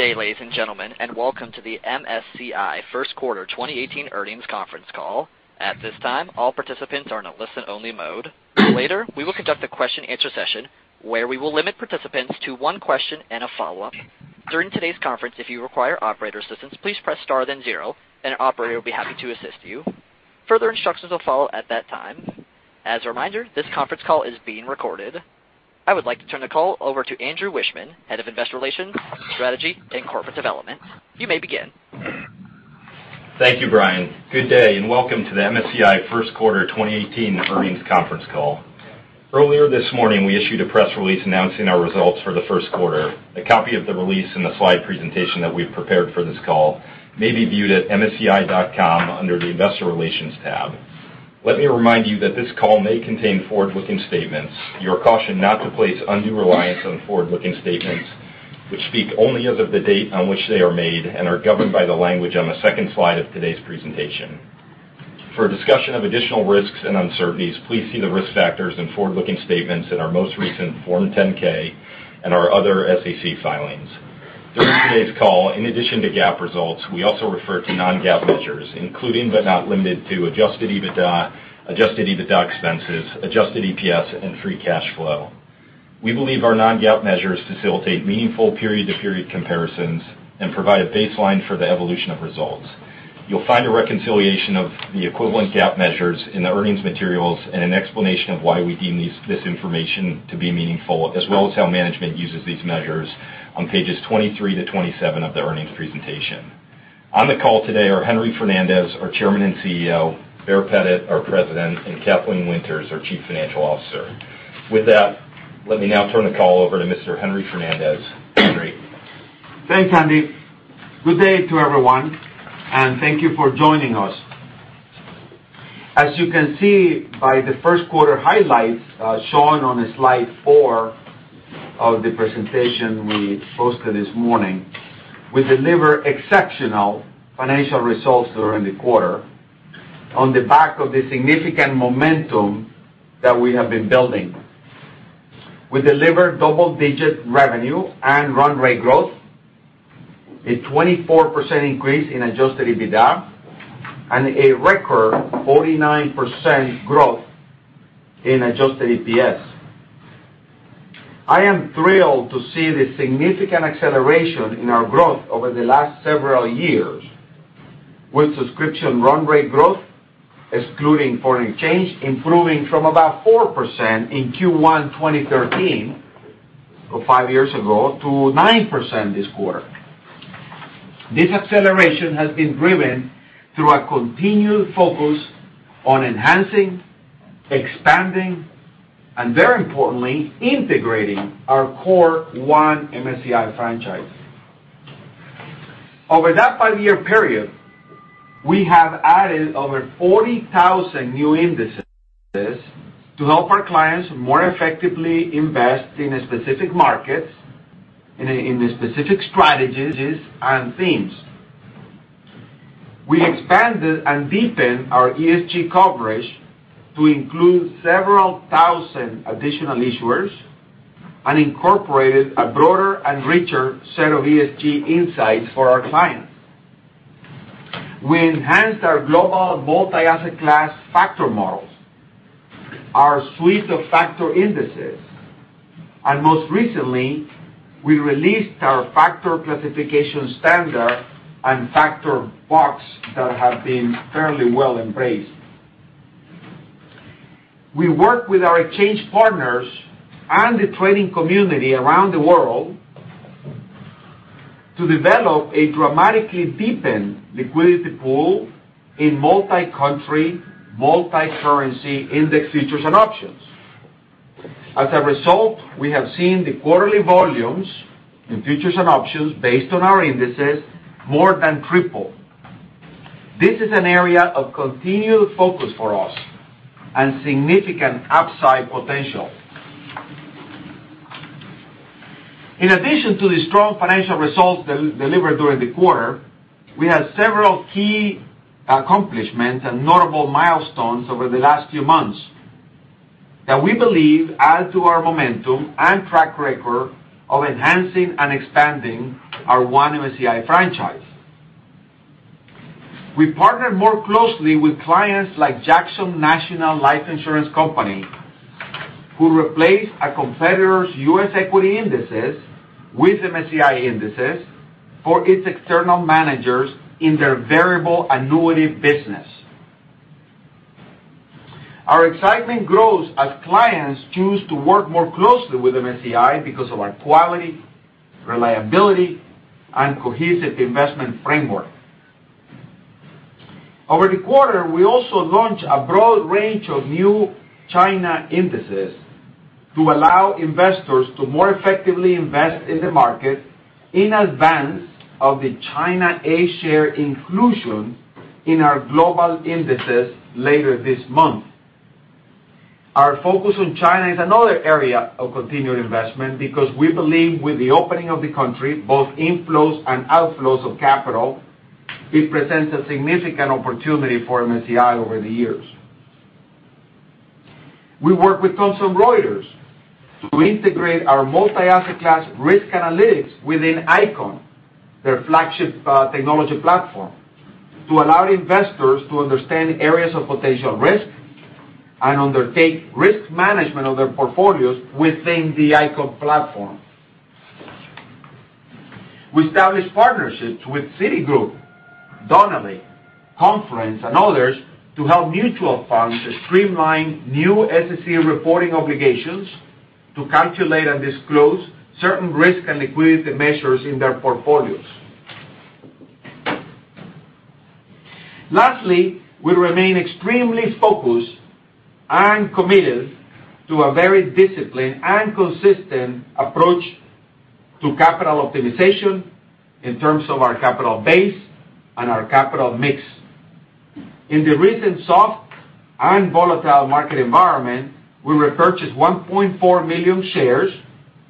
Good day, ladies and gentlemen, and welcome to the MSCI First Quarter 2018 Earnings Conference Call. At this time, all participants are in a listen-only mode. Later, we will conduct a question and answer session where we will limit participants to one question and a follow-up. During today's conference, if you require operator assistance, please press star then zero, and an operator will be happy to assist you. Further instructions will follow at that time. As a reminder, this conference call is being recorded. I would like to turn the call over to Andrew Wiechmann, Head of Investor Relations, Strategy, and Corporate Development. You may begin. Thank you, Brian. Good day, and welcome to the MSCI First Quarter 2018 Earnings Conference Call. Earlier this morning, we issued a press release announcing our results for the first quarter. A copy of the release and the slide presentation that we've prepared for this call may be viewed at msci.com under the Investor Relations tab. Let me remind you that this call may contain forward-looking statements. You are cautioned not to place undue reliance on forward-looking statements, which speak only as of the date on which they are made and are governed by the language on the second slide of today's presentation. For a discussion of additional risks and uncertainties, please see the risk factors and forward-looking statements in our most recent Form 10-K and our other SEC filings. During today's call, in addition to GAAP results, we also refer to non-GAAP measures, including but not limited to adjusted EBITDA, adjusted EBITDA expenses, adjusted EPS, and free cash flow. We believe our non-GAAP measures facilitate meaningful period-to-period comparisons and provide a baseline for the evolution of results. You'll find a reconciliation of the equivalent GAAP measures in the earnings materials and an explanation of why we deem this information to be meaningful, as well as how management uses these measures on pages 23 to 27 of the earnings presentation. On the call today are Henry Fernandez, our Chairman and CEO, Baer Pettit, our President, and Kathleen Winters, our Chief Financial Officer. With that, let me now turn the call over to Mr. Henry Fernandez. Henry. Thanks, Andy. Good day to everyone, and thank you for joining us. As you can see by the first quarter highlights shown on slide four of the presentation we posted this morning, we delivered exceptional financial results during the quarter on the back of the significant momentum that we have been building. We delivered double-digit revenue and run rate growth, a 24% increase in adjusted EBITDA, and a record 49% growth in adjusted EPS. I am thrilled to see the significant acceleration in our growth over the last several years, with subscription run rate growth, excluding foreign exchange, improving from about 4% in Q1 2013, so five years ago, to 9% this quarter. This acceleration has been driven through our continued focus on enhancing, expanding, and very importantly, integrating our core One MSCI franchise. Over that five-year period, we have added over 40,000 new indices to help our clients more effectively invest in specific markets, in the specific strategies, and themes. We expanded and deepened our ESG coverage to include several thousand additional issuers and incorporated a broader and richer set of ESG insights for our clients. We enhanced our global multi-asset class factor models, our suite of factor indices, and most recently, we released our Factor Classification Standard and Factor Box that have been fairly well embraced. We work with our exchange partners and the trading community around the world to develop a dramatically deepened liquidity pool in multi-country, multi-currency index futures and options. As a result, we have seen the quarterly volumes in futures and options based on our indices more than triple. This is an area of continued focus for us and significant upside potential. In addition to the strong financial results delivered during the quarter, we had several key accomplishments and notable milestones over the last few months that we believe add to our momentum and track record of enhancing and expanding our One MSCI franchise. We partnered more closely with clients like Jackson National Life Insurance Company, who replaced a competitor's U.S. equity indices with MSCI indices for its external managers in their variable annuity business. Our excitement grows as clients choose to work more closely with MSCI because of our quality, reliability, and cohesive investment framework. Over the quarter, we also launched a broad range of new China indices to allow investors to more effectively invest in the market in advance of the China A-share inclusion in our global indices later this month. Our focus on China is another area of continued investment because we believe with the opening of the country, both inflows and outflows of capital, it presents a significant opportunity for MSCI over the years. We work with Thomson Reuters to integrate our multi-asset class risk analytics within Eikon, their flagship technology platform, to allow investors to understand areas of potential risk and undertake risk management of their portfolios within the Eikon platform. We established partnerships with Citigroup, Donnelley, Confluence, and others to help mutual funds streamline new SEC reporting obligations to calculate and disclose certain risk and liquidity measures in their portfolios. Lastly, we remain extremely focused and committed to a very disciplined and consistent approach to capital optimization in terms of our capital base and our capital mix. In the recent soft and volatile market environment, we repurchased 1.4 million shares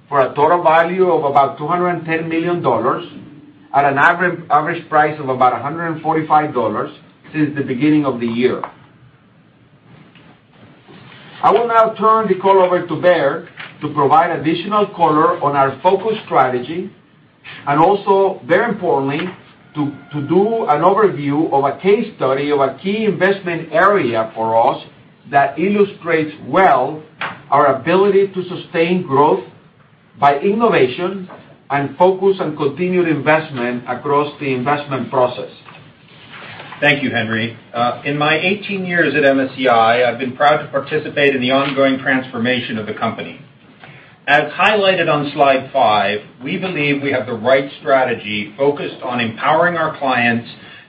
for a total value of about $210 million at an average price of about $145 since the beginning of the year. I will now turn the call over to Baer to provide additional color on our focus strategy, and also, very importantly, to do an overview of a case study of a key investment area for us that illustrates well our ability to sustain growth by innovation and focus on continued investment across the investment process. Thank you, Henry. In my 18 years at MSCI, I've been proud to participate in the ongoing transformation of the company. As highlighted on slide five, we believe we have the right strategy focused on empowering our clients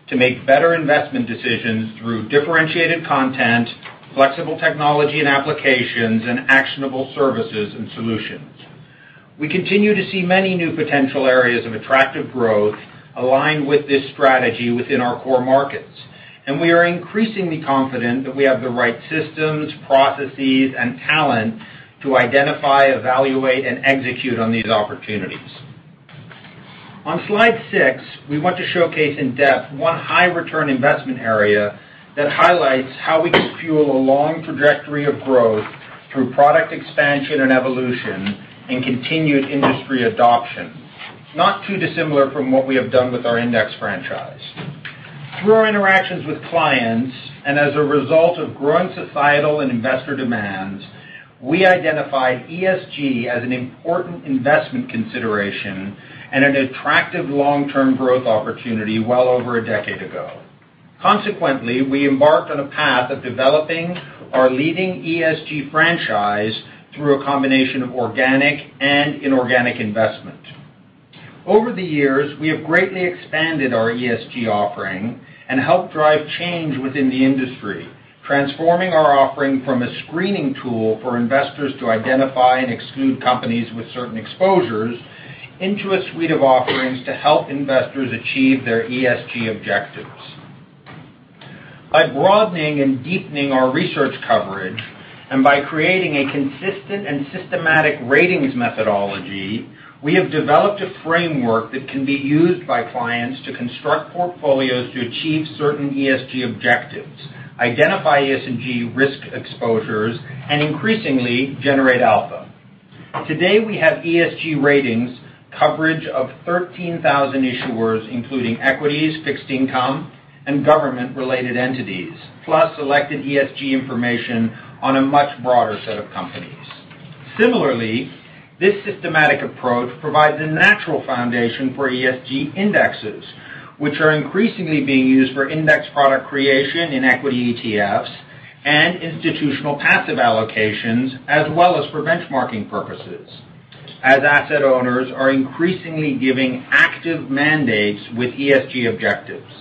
to make better investment decisions through differentiated content, flexible technology and applications, and actionable services and solutions. We continue to see many new potential areas of attractive growth aligned with this strategy within our core markets, and we are increasingly confident that we have the right systems, processes, and talent to identify, evaluate, and execute on these opportunities. On slide six, we want to showcase in depth one high-return investment area that highlights how we can fuel a long trajectory of growth through product expansion and evolution and continued industry adoption, not too dissimilar from what we have done with our index franchise. Through our interactions with clients and as a result of growing societal and investor demands, we identified ESG as an important investment consideration and an attractive long-term growth opportunity well over a decade ago. Consequently, we embarked on a path of developing our leading ESG franchise through a combination of organic and inorganic investment. Over the years, we have greatly expanded our ESG offering and helped drive change within the industry, transforming our offering from a screening tool for investors to identify and exclude companies with certain exposures into a suite of offerings to help investors achieve their ESG objectives. By broadening and deepening our research coverage and by creating a consistent and systematic ratings methodology, we have developed a framework that can be used by clients to construct portfolios to achieve certain ESG objectives, identify ESG risk exposures, and increasingly generate alpha. Today, we have ESG ratings coverage of 13,000 issuers, including equities, fixed income, and government-related entities, plus selected ESG information on a much broader set of companies. Similarly, this systematic approach provides a natural foundation for ESG indexes, which are increasingly being used for index product creation in equity ETFs and institutional passive allocations, as well as for benchmarking purposes, as asset owners are increasingly giving active mandates with ESG objectives.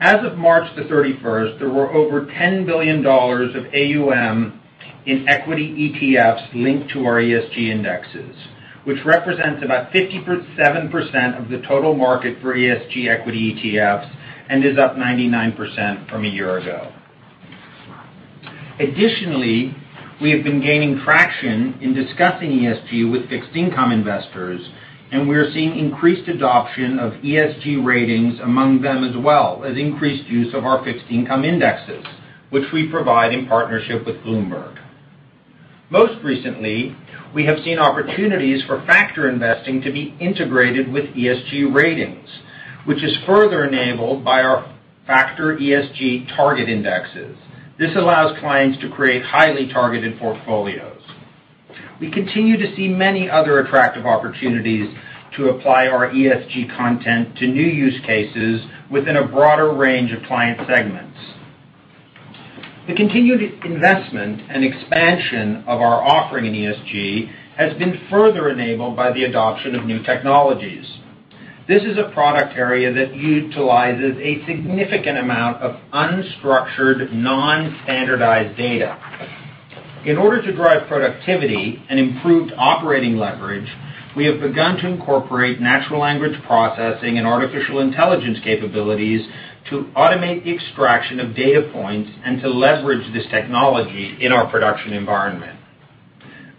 As of March the 31st, there were over $10 billion of AUM in equity ETFs linked to our ESG indexes, which represents about 57% of the total market for ESG equity ETFs and is up 99% from a year ago. Additionally, we have been gaining traction in discussing ESG with fixed income investors, and we are seeing increased adoption of ESG ratings among them as well as increased use of our fixed income indexes, which we provide in partnership with Bloomberg. Most recently, we have seen opportunities for factor investing to be integrated with ESG ratings, which is further enabled by our Factor ESG Target Indexes. This allows clients to create highly targeted portfolios. We continue to see many other attractive opportunities to apply our ESG content to new use cases within a broader range of client segments. The continued investment and expansion of our offering in ESG has been further enabled by the adoption of new technologies. This is a product area that utilizes a significant amount of unstructured, non-standardized data. In order to drive productivity and improved operating leverage, we have begun to incorporate Natural Language Processing and Artificial Intelligence capabilities to automate the extraction of data points and to leverage this technology in our production environment.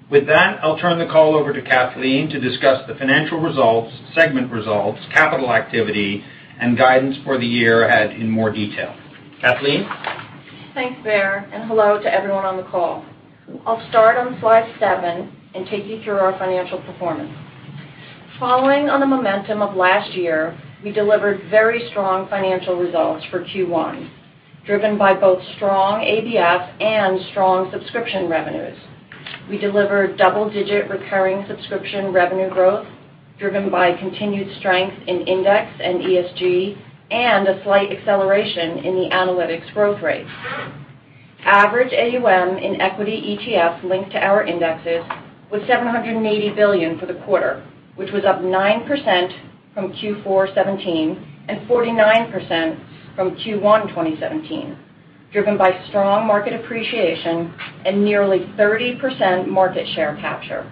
With that, I'll turn the call over to Kathleen to discuss the financial results, segment results, capital activity, and guidance for the year ahead in more detail. Kathleen? Thanks, Baer, and hello to everyone on the call. I'll start on slide seven and take you through our financial performance. Following on the momentum of last year, we delivered very strong financial results for Q1, driven by both strong ABF and strong subscription revenues. We delivered double-digit recurring subscription revenue growth, driven by continued strength in index and ESG, and a slight acceleration in the analytics growth rate. Average AUM in equity ETF linked to our indexes was $780 billion for the quarter, which was up 9% from Q4 2017, and 49% from Q1 2017, driven by strong market appreciation and nearly 30% market share capture.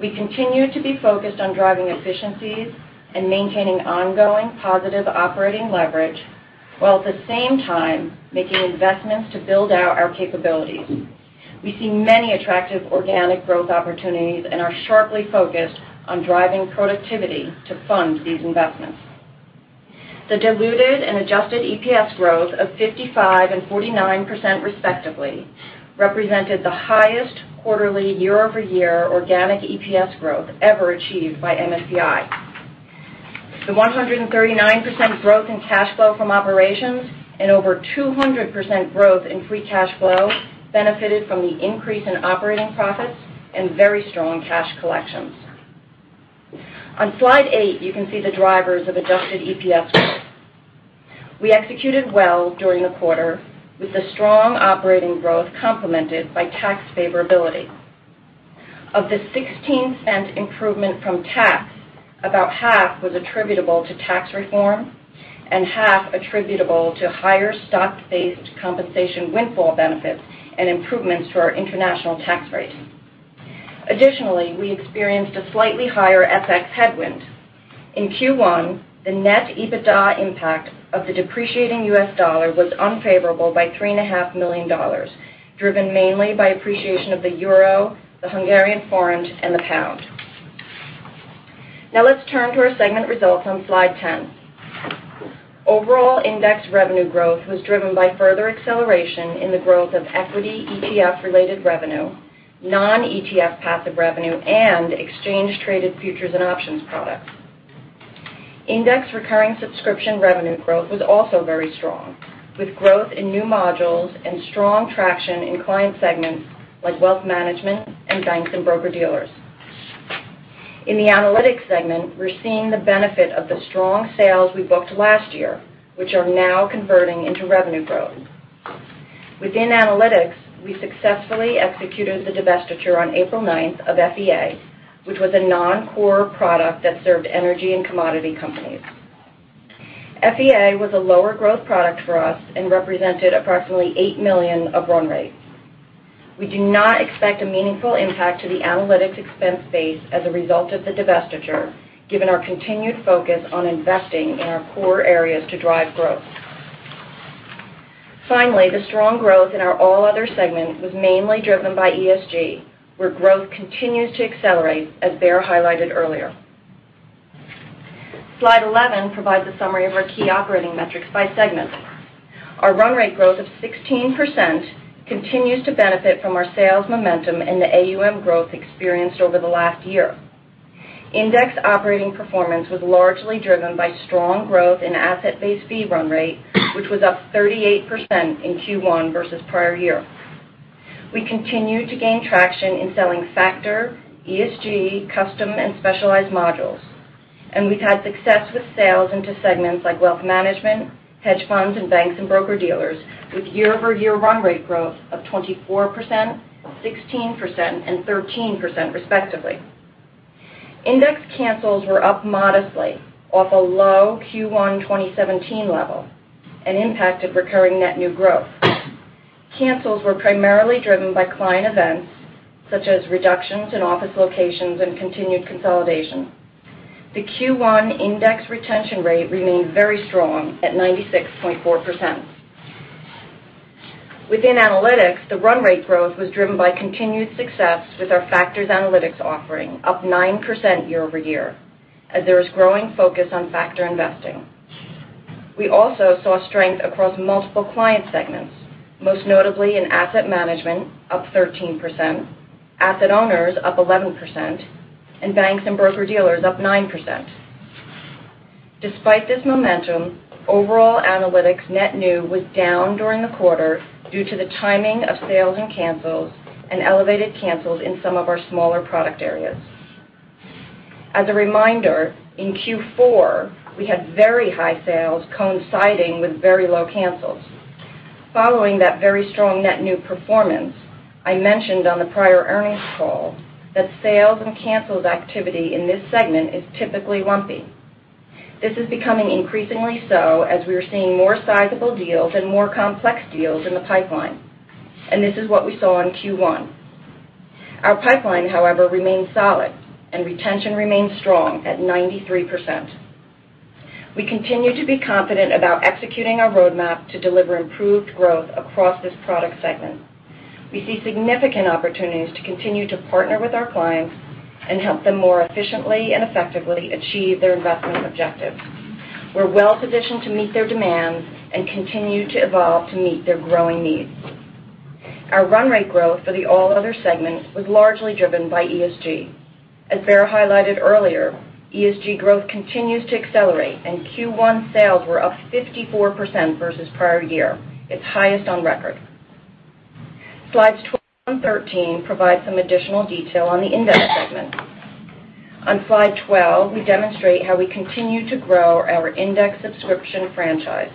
We continue to be focused on driving efficiencies and maintaining ongoing positive operating leverage, while at the same time, making investments to build out our capabilities. We see many attractive organic growth opportunities and are sharply focused on driving productivity to fund these investments. The diluted and Adjusted EPS growth of 55% and 49%, respectively, represented the highest quarterly year-over-year organic EPS growth ever achieved by MSCI. The 139% growth in cash flow from operations and over 200% growth in free cash flow benefited from the increase in operating profits and very strong cash collections. On slide eight, you can see the drivers of Adjusted EPS growth. We executed well during the quarter with the strong operating growth complemented by tax favorability. Of the $0.16 improvement from tax, about half was attributable to tax reform and half attributable to higher stock-based compensation windfall benefits and improvements to our international tax rate. Additionally, we experienced a slightly higher FX headwind. In Q1, the net EBITDA impact of the depreciating U.S. dollar was unfavorable by $3.5 million, driven mainly by appreciation of the euro, the Hungarian forint, and the pound. Let's turn to our segment results on slide 10. Overall index revenue growth was driven by further acceleration in the growth of equity ETF-related revenue, non-ETF passive revenue, and exchange-traded futures and options products. Index recurring subscription revenue growth was also very strong, with growth in new modules and strong traction in client segments like wealth management and banks and broker-dealers. In the analytics segment, we're seeing the benefit of the strong sales we booked last year, which are now converting into revenue growth. Within analytics, we successfully executed the divestiture on April 9th of FEA, which was a non-core product that served energy and commodity companies. FEA was a lower growth product for us and represented approximately $8 million of run rate. We do not expect a meaningful impact to the analytics expense base as a result of the divestiture, given our continued focus on investing in our core areas to drive growth. Finally, the strong growth in our All Other segments was mainly driven by ESG, where growth continues to accelerate, as Baer highlighted earlier. Slide 11 provides a summary of our key operating metrics by segment. Our run rate growth of 16% continues to benefit from our sales momentum and the AUM growth experienced over the last year. Index operating performance was largely driven by strong growth in asset-based fee run rate, which was up 38% in Q1 versus prior year. We continue to gain traction in selling factor, ESG, custom, and specialized modules. We've had success with sales into segments like wealth management, hedge funds, and banks and broker-dealers, with year-over-year run rate growth of 24%, 16%, and 13%, respectively. Index cancels were up modestly off a low Q1 2017 level and impacted recurring net new growth. Cancels were primarily driven by client events, such as reductions in office locations and continued consolidation. The Q1 index retention rate remained very strong at 96.4%. Within analytics, the run rate growth was driven by continued success with our factors analytics offering, up 9% year-over-year, as there is growing focus on factor investing. We also saw strength across multiple client segments, most notably in asset management up 13%, asset owners up 11%, and banks and broker-dealers up 9%. Despite this momentum, overall analytics net new was down during the quarter due to the timing of sales and cancels and elevated cancels in some of our smaller product areas. As a reminder, in Q4, we had very high sales coinciding with very low cancels. Following that very strong net new performance, I mentioned on the prior earnings call that sales and cancels activity in this segment is typically lumpy. This is becoming increasingly so as we are seeing more sizable deals and more complex deals in the pipeline. This is what we saw in Q1. Our pipeline, however, remains solid and retention remains strong at 93%. We continue to be confident about executing our roadmap to deliver improved growth across this product segment. We see significant opportunities to continue to partner with our clients and help them more efficiently and effectively achieve their investment objectives. We're well-positioned to meet their demands and continue to evolve to meet their growing needs. Our run rate growth for the All Other segment was largely driven by ESG. As Baer highlighted earlier, ESG growth continues to accelerate. Q1 sales were up 54% versus prior year, its highest on record. Slides 12 and 13 provide some additional detail on the Index segment. On slide 12, we demonstrate how we continue to grow our index subscription franchise.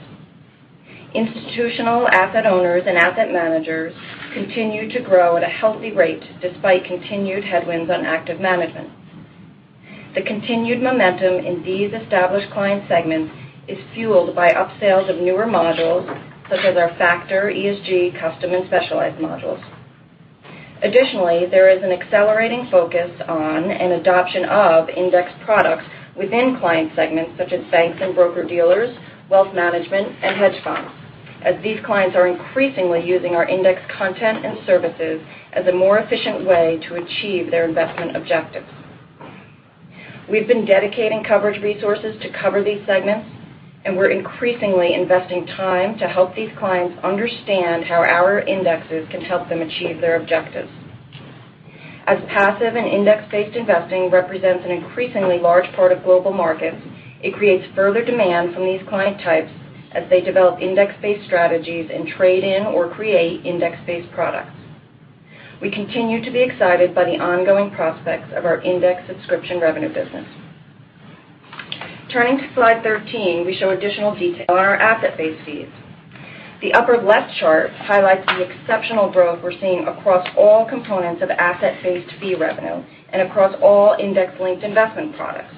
Institutional asset owners and asset managers continue to grow at a healthy rate despite continued headwinds on active management. The continued momentum in these established client segments is fueled by upsales of newer modules such as our factor, ESG, custom, and specialized modules. Additionally, there is an accelerating focus on and adoption of index products within client segments such as banks and broker-dealers, wealth management, and hedge funds, as these clients are increasingly using our index content and services as a more efficient way to achieve their investment objectives. We've been dedicating coverage resources to cover these segments, and we're increasingly investing time to help these clients understand how our indexes can help them achieve their objectives. As passive and index-based investing represents an increasingly large part of global markets, it creates further demand from these client types as they develop index-based strategies and trade in or create index-based products. We continue to be excited by the ongoing prospects of our index subscription revenue business. Turning to slide 13, we show additional detail on our asset-based fees. The upper left chart highlights the exceptional growth we're seeing across all components of asset-based fee revenue and across all index-linked investment products.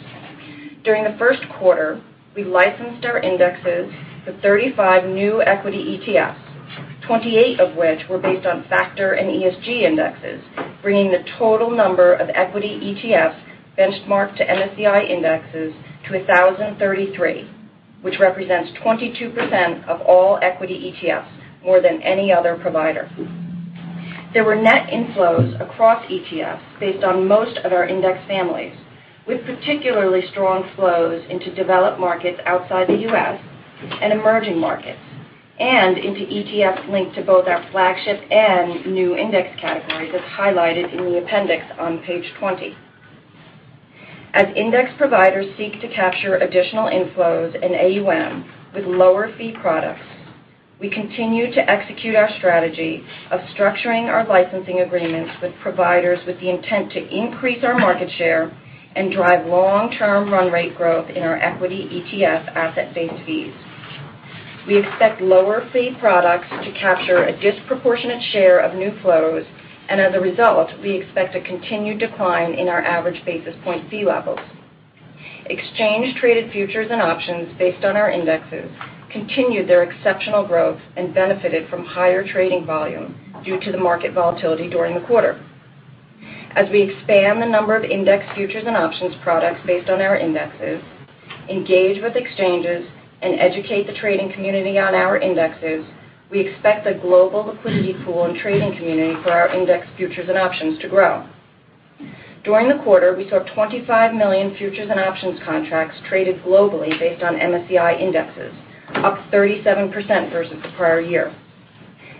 During the first quarter, we licensed our indexes to 35 new equity ETFs, 28 of which were based on factor and ESG indexes, bringing the total number of equity ETFs benchmarked to MSCI indexes to 1,033, which represents 22% of all equity ETFs, more than any other provider. There were net inflows across ETFs based on most of our index families, with particularly strong flows into developed markets outside the U.S. and emerging markets, and into ETFs linked to both our flagship and new index categories, as highlighted in the appendix on page 20. As index providers seek to capture additional inflows in AUM with lower fee products, we continue to execute our strategy of structuring our licensing agreements with providers with the intent to increase our market share and drive long-term run rate growth in our equity ETF asset-based fees. We expect lower fee products to capture a disproportionate share of new flows, and as a result, we expect a continued decline in our average basis point fee levels. Exchange-traded futures and options based on our indexes continued their exceptional growth and benefited from higher trading volume due to the market volatility during the quarter. As we expand the number of index futures and options products based on our indexes, engage with exchanges, and educate the trading community on our indexes, we expect the global liquidity pool and trading community for our index futures and options to grow. During the quarter, we saw 25 million futures and options contracts traded globally based on MSCI indexes, up 37% versus the prior year.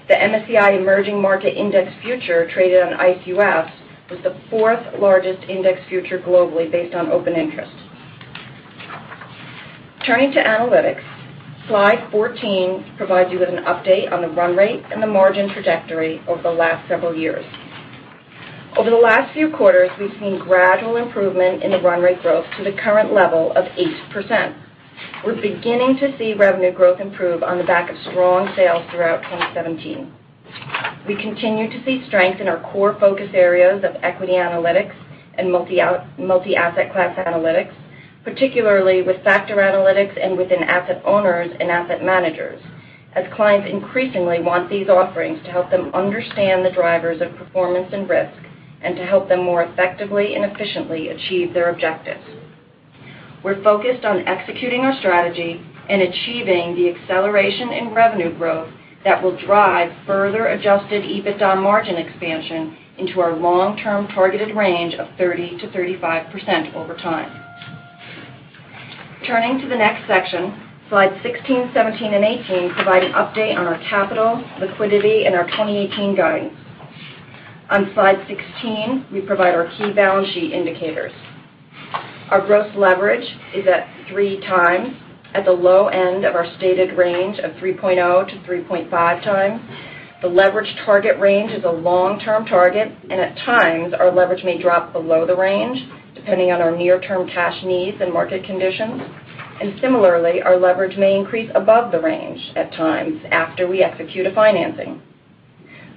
The MSCI Emerging Market Index Future traded on ICE U.S. was the fourth largest index future globally based on open interest. Turning to analytics, slide 14 provides you with an update on the run rate and the margin trajectory over the last several years. Over the last few quarters, we've seen gradual improvement in the run rate growth to the current level of 8%. We're beginning to see revenue growth improve on the back of strong sales throughout 2017. We continue to see strength in our core focus areas of equity analytics and multi-asset class analytics, particularly with factor analytics and within asset owners and asset managers, as clients increasingly want these offerings to help them understand the drivers of performance and risk and to help them more effectively and efficiently achieve their objectives. We're focused on executing our strategy and achieving the acceleration in revenue growth that will drive further adjusted EBITDA and margin expansion into our long-term targeted range of 30%-35% over time. Turning to the next section, slides 16, 17, and 18 provide an update on our capital, liquidity, and our 2018 guidance. On slide 16, we provide our key balance sheet indicators. Our gross leverage is at three times, at the low end of our stated range of 3.0 to 3.5 times. The leverage target range is a long-term target, and at times, our leverage may drop below the range, depending on our near-term cash needs and market conditions. Similarly, our leverage may increase above the range at times after we execute a financing.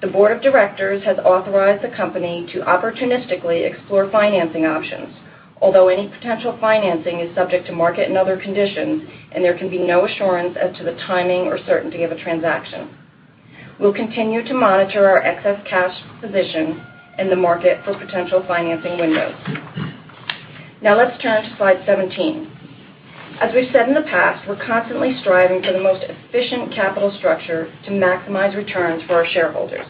The board of directors has authorized the company to opportunistically explore financing options, although any potential financing is subject to market and other conditions, and there can be no assurance as to the timing or certainty of a transaction. We'll continue to monitor our excess cash position in the market for potential financing windows. Now let's turn to slide 17. As we've said in the past, we're constantly striving for the most efficient capital structure to maximize returns for our shareholders.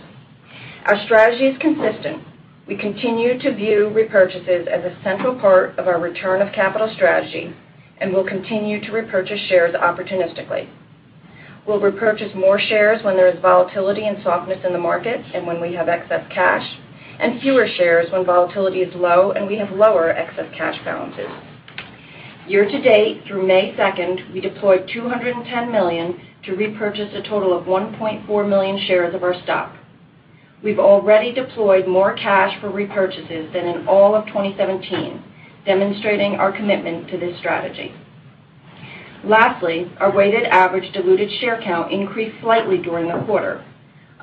Our strategy is consistent. We continue to view repurchases as a central part of our return of capital strategy, and we'll continue to repurchase shares opportunistically. We'll repurchase more shares when there is volatility and softness in the market and when we have excess cash, and fewer shares when volatility is low, and we have lower excess cash balances. Year to date, through May 2nd, we deployed $210 million to repurchase a total of 1.4 million shares of our stock. We've already deployed more cash for repurchases than in all of 2017, demonstrating our commitment to this strategy. Lastly, our weighted average diluted share count increased slightly during the quarter,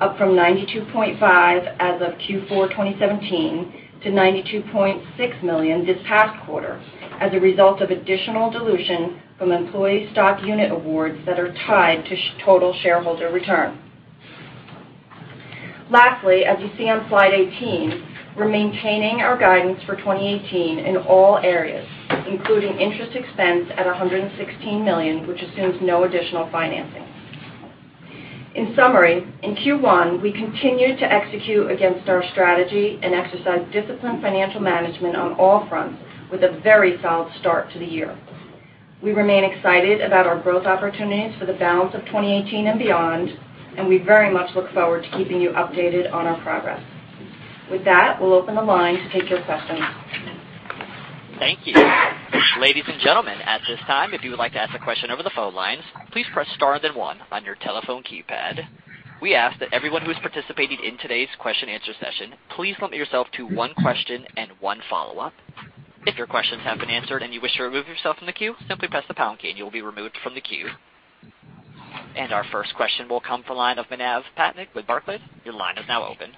up from 92.5 as of Q4 2017 to 92.6 million this past quarter as a result of additional dilution from employee stock unit awards that are tied to total shareholder return. Lastly, as you see on slide 18, we're maintaining our guidance for 2018 in all areas, including interest expense at $116 million, which assumes no additional financing. In summary, in Q1, we continued to execute against our strategy and exercise disciplined financial management on all fronts with a very solid start to the year. We remain excited about our growth opportunities for the balance of 2018 and beyond, and we very much look forward to keeping you updated on our progress. With that, we'll open the line to take your questions. Thank you. Ladies and gentlemen, at this time, if you would like to ask a question over the phone lines, please press star, then one on your telephone keypad. We ask that everyone who is participating in today's question and answer session, please limit yourself to one question and one follow-up. If your questions have been answered and you wish to remove yourself from the queue, simply press the pound key, and you'll be removed from the queue. Our first question will come from the line of Manav Patnaik with Barclays. Your line is now open.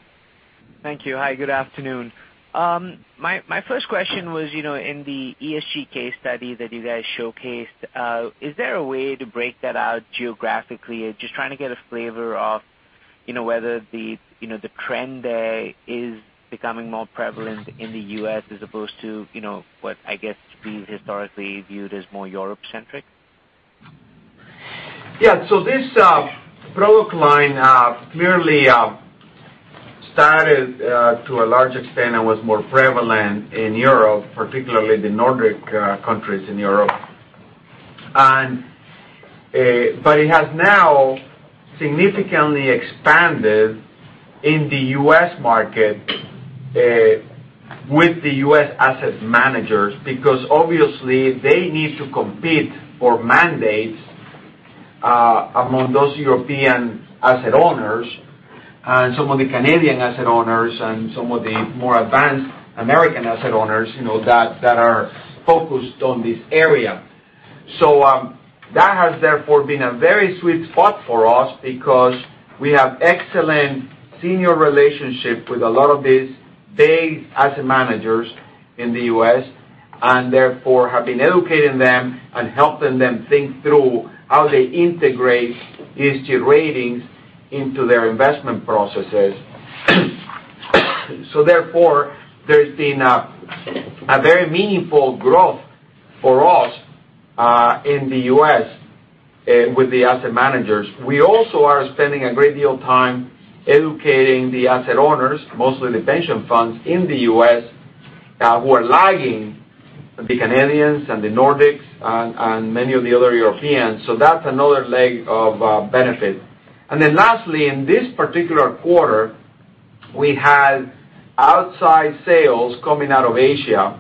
Thank you. Hi, good afternoon. My first question was, in the ESG case study that you guys showcased, is there a way to break that out geographically? Just trying to get a flavor of whether the trend there is becoming more prevalent in the U.S. as opposed to what I guess to be historically viewed as more Europe-centric. Yeah. This product line clearly started to a large extent and was more prevalent in Europe, particularly the Nordic countries in Europe. But it has now significantly expanded in the U.S. market with the U.S. asset managers, because obviously they need to compete for mandates among those European asset owners and some of the Canadian asset owners and some of the more advanced American asset owners that are focused on this area. That has therefore been a very sweet spot for us because we have excellent senior relationships with a lot of these big asset managers in the U.S. and therefore have been educating them and helping them think through how they integrate ESG ratings into their investment processes. Therefore, there's been a very meaningful growth for us, in the U.S. with the asset managers. We also are spending a great deal of time educating the asset owners, mostly the pension funds in the U.S., who are lagging the Canadians and the Nordics and many of the other Europeans. That's another leg of benefit. Lastly, in this particular quarter, we had outside sales coming out of Asia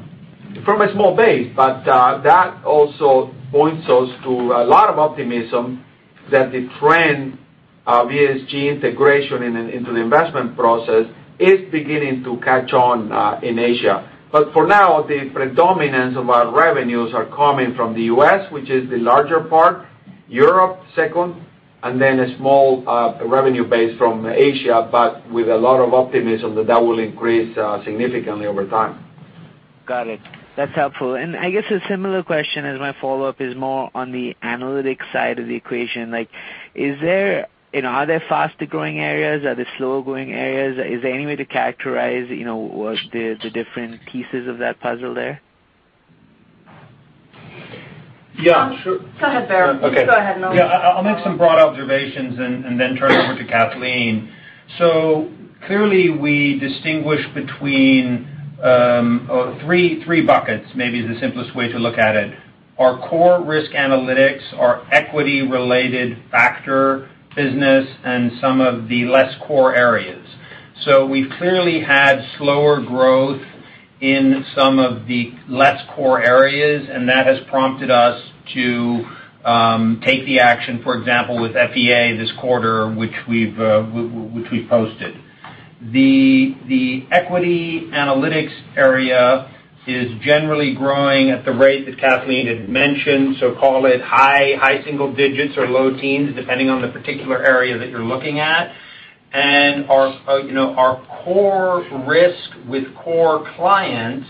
from a small base. That also points us to a lot of optimism that the trend of ESG integration into the investment process is beginning to catch on in Asia. For now, the predominance of our revenues are coming from the U.S., which is the larger part, Europe second, and then a small revenue base from Asia, but with a lot of optimism that that will increase significantly over time. Got it. That's helpful. I guess a similar question as my follow-up is more on the analytics side of the equation. Are there faster-growing areas? Are there slower-growing areas? Is there any way to characterize the different pieces of that puzzle there? Yeah, sure. Go ahead, Baer. Okay. Please go ahead. Yeah. I'll make some broad observations and then turn it over to Kathleen. Clearly, we distinguish between three buckets, maybe the simplest way to look at it. Our core risk analytics, our equity-related factor business, and some of the less core areas. We've clearly had slower growth in some of the less core areas, and that has prompted us to take the action, for example, with FEA this quarter, which we've posted. The equity analytics area is generally growing at the rate that Kathleen had mentioned. Call it high single digits or low teens, depending on the particular area that you're looking at. Our core risk with core clients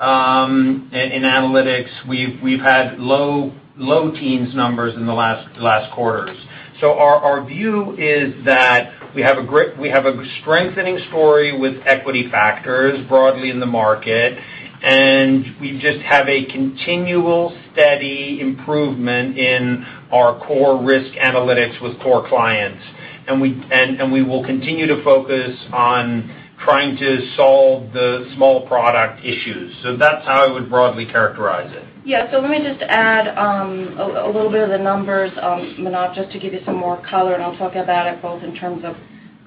In analytics, we've had low teens numbers in the last quarters. Our view is that we have a strengthening story with equity factors broadly in the market, and we just have a continual, steady improvement in our core risk analytics with core clients. We will continue to focus on trying to solve the small product issues. That's how I would broadly characterize it. Yeah. Let me just add a little bit of the numbers, Manav, just to give you some more color, and I'll talk about it both in terms of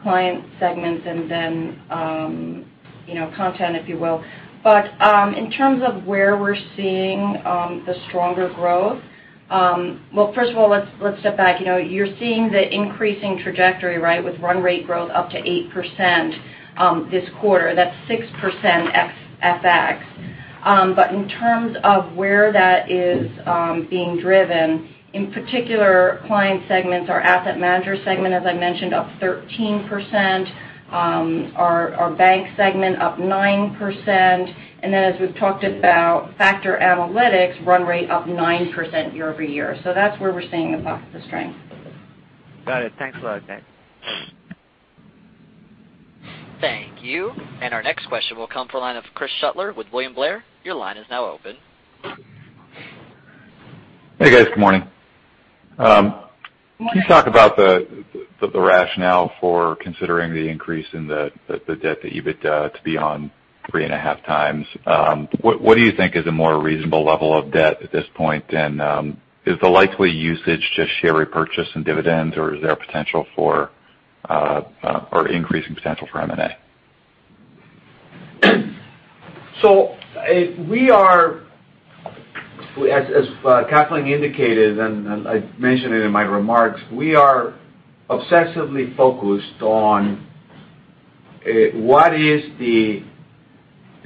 client segments and then content, if you will. In terms of where we're seeing the stronger growth, well, first of all, let's step back. You're seeing the increasing trajectory, with run rate growth up to 8% this quarter. That's 6% FX. In terms of where that is being driven, in particular client segments, our asset manager segment, as I mentioned, up 13%, our bank segment up 9%, and then as we've talked about factor analytics, run rate up 9% year-over-year. That's where we're seeing the strength. Got it. Thanks a lot, guys. Thank you. Our next question will come from the line of Chris Shutler with William Blair. Your line is now open. Hey, guys. Good morning. Morning. Can you talk about the rationale for considering the increase in the debt to EBITDA to be on three and a half times? What do you think is a more reasonable level of debt at this point? Is the likely usage just share repurchase and dividends, or is there potential for, or increasing potential for M&A? We are, as Kathleen indicated, and I mentioned it in my remarks, we are obsessively focused on what is the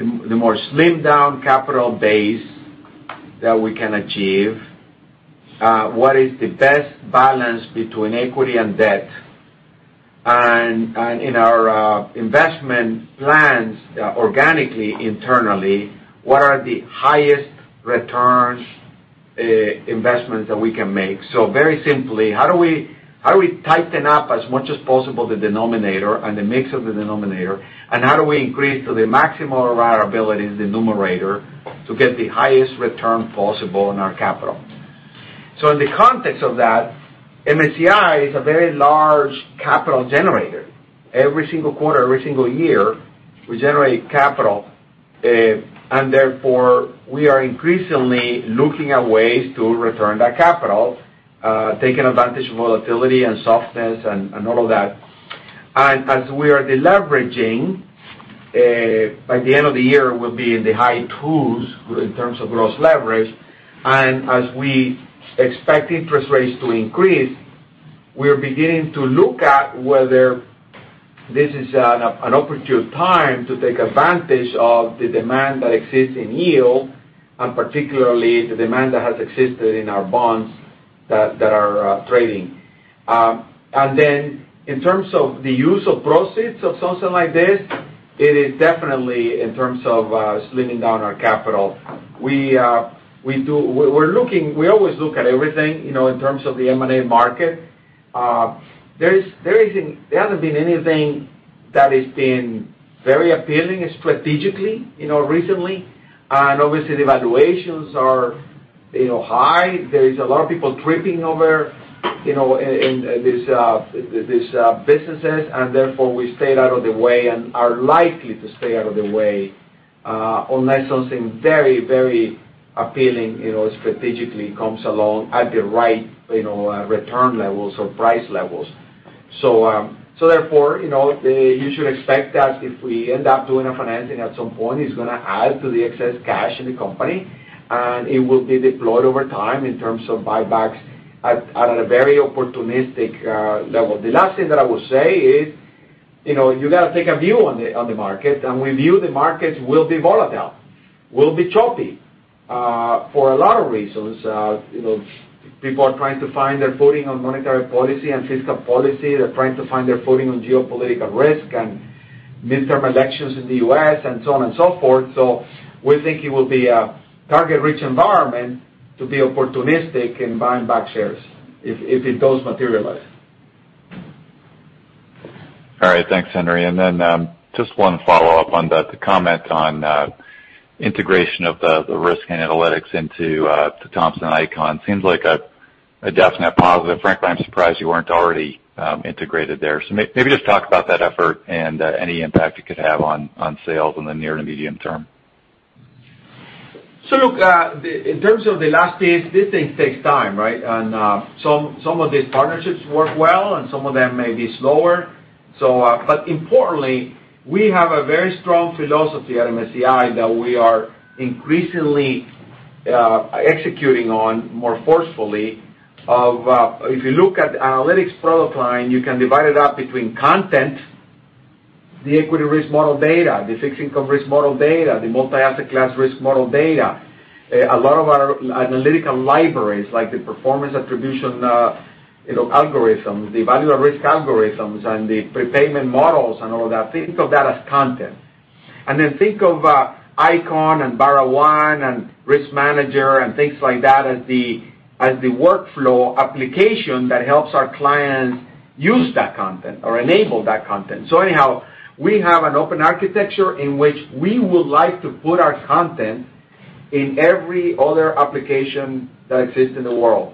more slimmed-down capital base that we can achieve? What is the best balance between equity and debt? In our investment plans, organically, internally, what are the highest returns investments that we can make? Very simply, how do we tighten up as much as possible the denominator and the mix of the denominator, and how do we increase to the maximum of our ability, the numerator, to get the highest return possible on our capital? In the context of that, MSCI is a very large capital generator. Every single quarter, every single year, we generate capital. Therefore, we are increasingly looking at ways to return that capital, taking advantage of volatility and softness and all of that. As we are deleveraging, by the end of the year, we will be in the high twos in terms of gross leverage. As we expect interest rates to increase, we are beginning to look at whether this is an opportune time to take advantage of the demand that exists in yield, and particularly the demand that has existed in our bonds that are trading. In terms of the use of proceeds of something like this, it is definitely in terms of slimming down our capital. We always look at everything in terms of the M&A market. There hasn't been anything that has been very appealing strategically recently. Obviously, the valuations are high. There is a lot of people tripping over in these businesses, therefore, we stayed out of the way and are likely to stay out of the way, unless something very appealing strategically comes along at the right return levels or price levels. Therefore, you should expect that if we end up doing a financing at some point, it's going to add to the excess cash in the company, and it will be deployed over time in terms of buybacks at a very opportunistic level. The last thing that I will say is, you got to take a view on the market, we view the markets will be volatile, will be choppy, for a lot of reasons. People are trying to find their footing on monetary policy and fiscal policy. They're trying to find their footing on geopolitical risk and midterm elections in the U.S., and so on and so forth. We think it will be a target-rich environment to be opportunistic in buying back shares if it does materialize. All right. Thanks, Henry. Just one follow-up on that, the comment on integration of the risk and analytics into Thomson Eikon. Seems like a definite positive. Frankly, I'm surprised you weren't already integrated there. Maybe just talk about that effort and any impact it could have on sales in the near to medium term. Look, in terms of the last piece, this thing takes time, right? Some of these partnerships work well, and some of them may be slower. Importantly, we have a very strong philosophy at MSCI that we are increasingly executing on more forcefully of, if you look at analytics product line, you can divide it up between content, the equity risk model data, the fixed income risk model data, the multi-asset class risk model data. A lot of our analytical libraries, like the performance attribution algorithms, the Value-at-Risk algorithms, and the prepayment models and all that, think of that as content. Then think of Eikon and BarraOne and RiskManager and things like that as the workflow application that helps our clients use that content or enable that content. Anyhow, we have an open architecture in which we would like to put our content in every other application that exists in the world,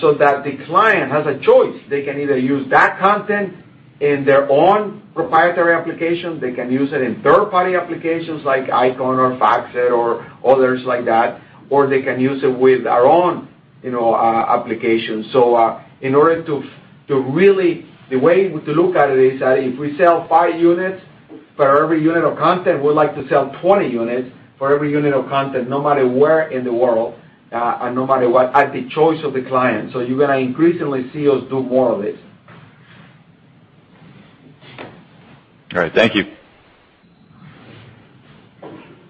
so that the client has a choice. They can either use that content in their own proprietary application, they can use it in third-party applications like Eikon or FactSet or others like that, or they can use it with our own application. The way to look at it is that if we sell five units for every unit of content, we'd like to sell 20 units for every unit of content, no matter where in the world, and no matter what, at the choice of the client. You're going to increasingly see us do more of it. All right. Thank you.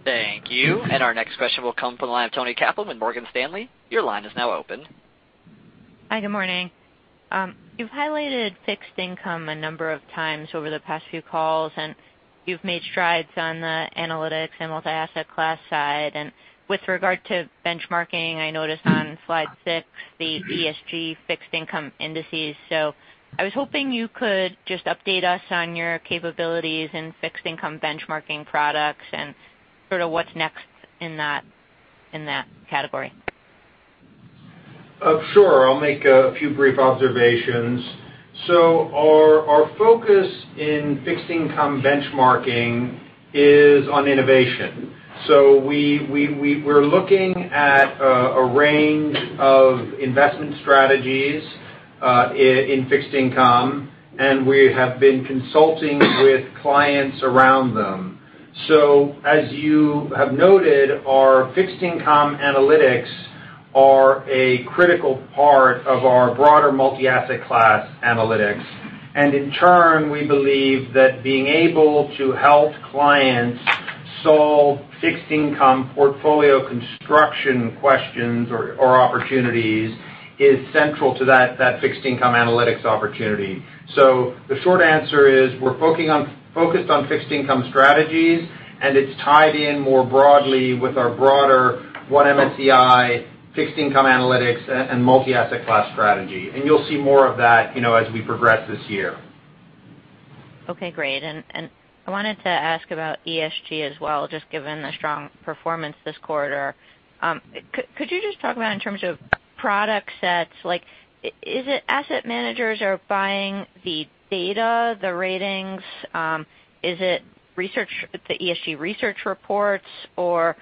Thank you. Our next question will come from the line of Toni Kaplan with Morgan Stanley. Your line is now open. Hi, good morning. You've highlighted fixed income a number of times over the past few calls, and you've made strides on the analytics and multi-asset class side. With regard to benchmarking, I noticed on slide six the ESG fixed income indices. I was hoping you could just update us on your capabilities in fixed income benchmarking products and sort of what's next in that category. Sure. I'll make a few brief observations. Our focus in fixed income benchmarking is on innovation. We're looking at a range of investment strategies, in fixed income, and we have been consulting with clients around them. As you have noted, our fixed income analytics are a critical part of our broader multi-asset class analytics. In turn, we believe that being able to help clients solve fixed income portfolio construction questions or opportunities is central to that fixed income analytics opportunity. The short answer is, we're focused on fixed income strategies, and it's tied in more broadly with our broader One MSCI fixed income analytics and multi-asset class strategy. You'll see more of that as we progress this year. Okay, great. I wanted to ask about ESG as well, just given the strong performance this quarter. Could you just talk about in terms of product sets, is it asset managers are buying the data, the ratings? Is it the ESG research reports, or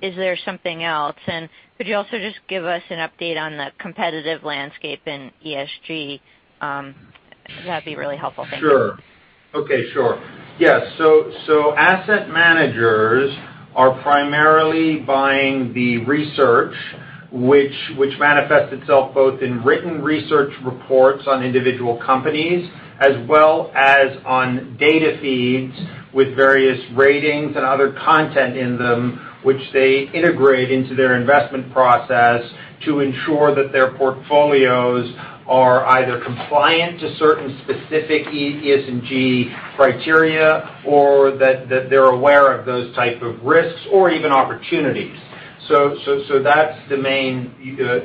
is there something else? Could you also just give us an update on the competitive landscape in ESG? That'd be really helpful. Thank you. Sure. Okay, sure. Yes. Asset managers are primarily buying the research, which manifests itself both in written research reports on individual companies as well as on data feeds with various ratings and other content in them, which they integrate into their investment process to ensure that their portfolios are either compliant to certain specific ESG criteria, or that they're aware of those type of risks or even opportunities. That's the main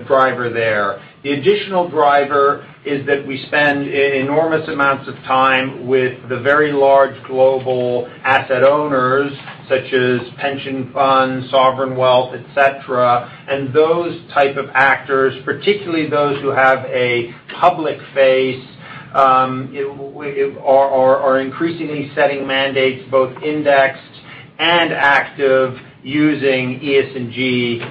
driver there. The additional driver is that we spend enormous amounts of time with the very large global asset owners, such as pension funds, sovereign wealth, et cetera. Those type of actors, particularly those who have a public face, are increasingly setting mandates, both indexed and active, using ESG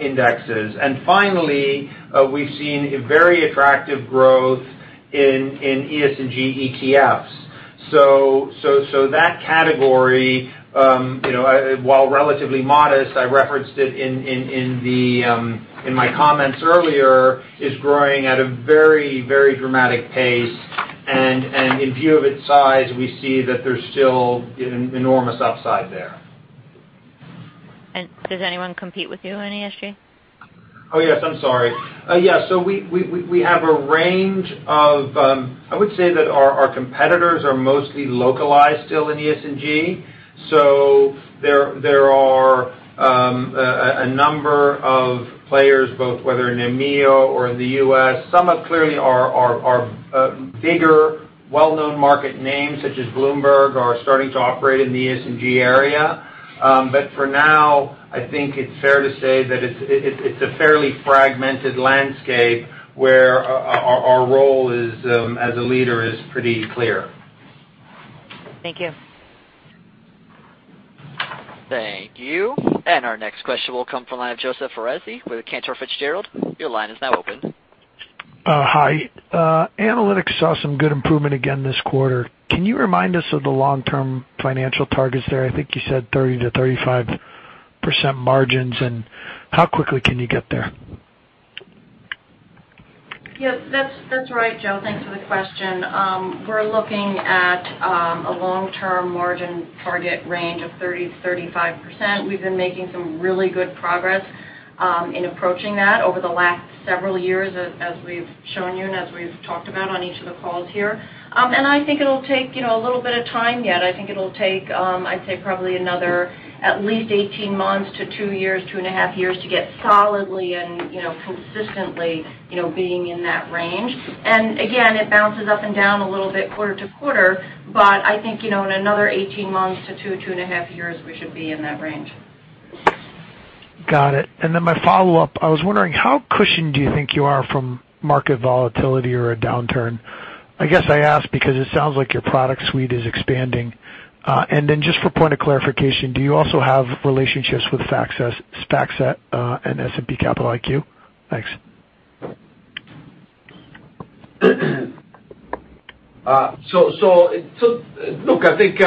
indexes. Finally, we've seen very attractive growth in ESG ETFs. That category, while relatively modest, I referenced it in my comments earlier, is growing at a very dramatic pace. In view of its size, we see that there's still enormous upside there. Does anyone compete with you in ES and G? Oh, yes. I'm sorry. Yes. I would say that our competitors are mostly localized still in ES and G. There are a number of players, both whether in EMEA or in the U.S. Some clearly are bigger, well-known market names, such as Bloomberg, are starting to operate in the ES and G area. For now, I think it's fair to say that it's a fairly fragmented landscape where our role as a leader is pretty clear. Thank you. Thank you. Our next question will come from the line of Joseph Foresi with Cantor Fitzgerald. Your line is now open. Hi. Analytics saw some good improvement again this quarter. Can you remind us of the long-term financial targets there? I think you said 30%-35% margins. How quickly can you get there? Yes, that's right, Joe. Thanks for the question. We're looking at a long-term margin target range of 30%-35%. We've been making some really good progress in approaching that over the last several years, as we've shown you and as we've talked about on each of the calls here. I think it'll take a little bit of time yet. I think it'll take, I'd say probably another at least 18 months to two years, 2.5 years to get solidly and consistently being in that range. Again, it bounces up and down a little bit quarter to quarter. I think, in another 18 months to two, 2.5 years, we should be in that range. Got it. Then my follow-up, I was wondering how cushioned do you think you are from market volatility or a downturn? I guess I ask because it sounds like your product suite is expanding. Then just for point of clarification, do you also have relationships with FactSet and S&P Capital IQ? Thanks. Look, I think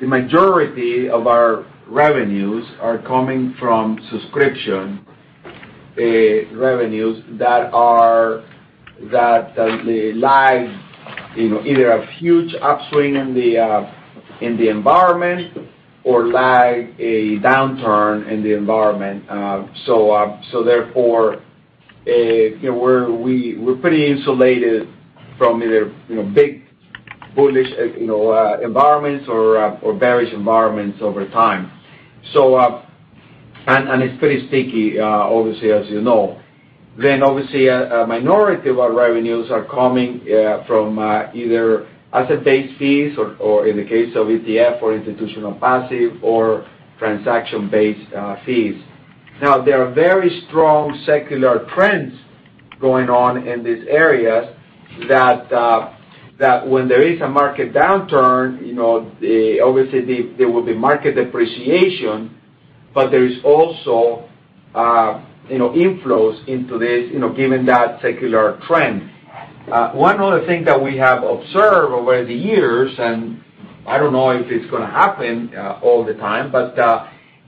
the majority of our revenues are coming from subscription revenues that lag either a huge upswing in the environment or lag a downturn in the environment. Therefore, we're pretty insulated from either big bullish environments or bearish environments over time. It's pretty sticky, obviously, as you know. Obviously, a minority of our revenues are coming from either asset-based fees or in the case of ETF or institutional passive or transaction-based fees. There are very strong secular trends going on in these areas that when there is a market downturn, obviously there will be market depreciation, but there is also inflows into this, given that secular trend. One other thing that we have observed over the years, I don't know if it's going to happen all the time, but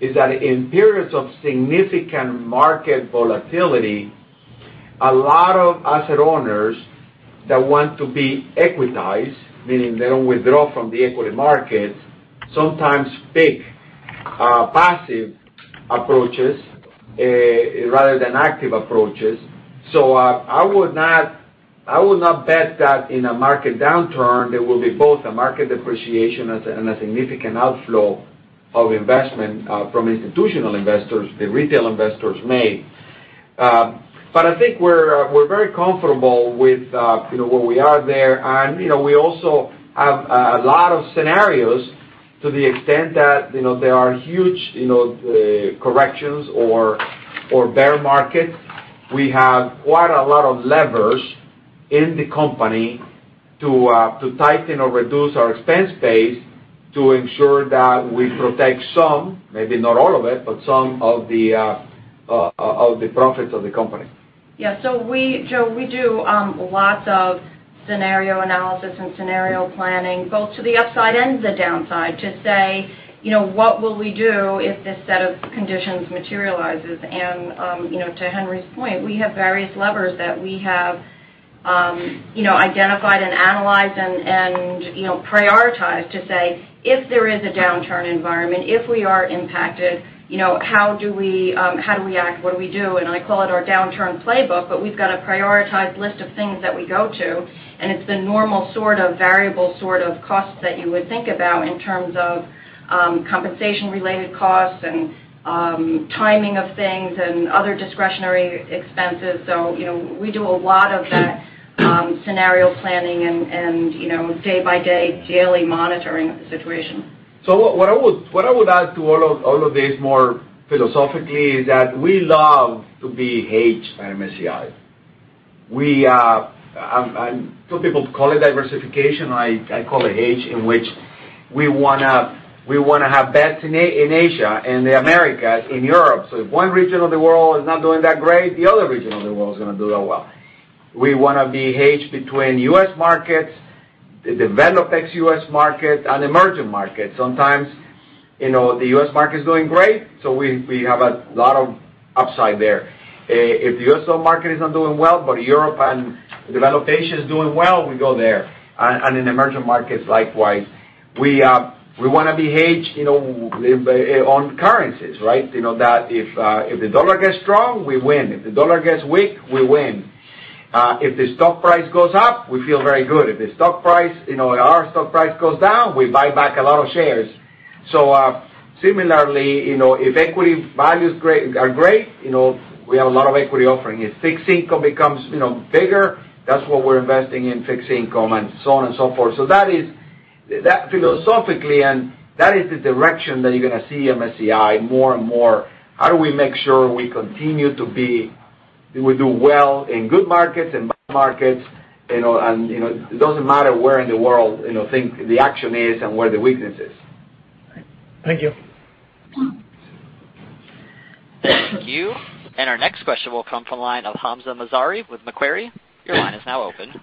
is that in periods of significant market volatility, a lot of asset owners that want to be equitized, meaning they don't withdraw from the equity market, sometimes pick passive approaches rather than active approaches. I would not bet that in a market downturn, there will be both a market depreciation and a significant outflow of investment from institutional investors the retail investors made. I think we're very comfortable with where we are there. We also have a lot of scenarios to the extent that there are huge corrections or bear markets. We have quite a lot of levers in the company to tighten or reduce our expense base to ensure that we protect some, maybe not all of it, but some of the profits of the company. Joe, we do lots of scenario analysis and scenario planning, both to the upside and the downside to say, what will we do if this set of conditions materializes? To Henry's point, we have various levers that we have identified and analyzed and prioritized to say, if there is a downturn environment, if we are impacted, how do we act? What do we do? I call it our downturn playbook, we've got a prioritized list of things that we go to, it's the normal sort of variable sort of costs that you would think about in terms of compensation-related costs and timing of things and other discretionary expenses. We do a lot of that scenario planning and day-by-day daily monitoring of the situation. What I would add to all of this more philosophically is that we love to be hedged at MSCI. Some people call it diversification. I call it hedge, in which we want to have bets in Asia and the Americas, in Europe. If one region of the world is not doing that great, the other region of the world is going to do well. We want to be hedged between U.S. markets, the developed ex-U.S. market, and emerging markets. Sometimes, the U.S. market is doing great, so we have a lot of upside there. If the U.S. market is not doing well, but Europe and developed Asia is doing well, we go there. In emerging markets, likewise. We want to be hedged on currencies, right? If the dollar gets strong, we win. If the dollar gets weak, we win. If the stock price goes up, we feel very good. If our stock price goes down, we buy back a lot of shares. Similarly, if equity values are great, we have a lot of equity offering. If fixed income becomes bigger, that's what we're investing in, fixed income, and so on and so forth. That philosophically, and that is the direction that you're going to see MSCI more and more. How do we make sure we continue to do well in good markets and bad markets? It doesn't matter where in the world the action is and where the weakness is. Thank you. Thank you. Our next question will come from the line of Hamzah Mazari with Macquarie. Your line is now open.